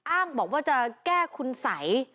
อ้างบอกว่าจะแก้คุณสัย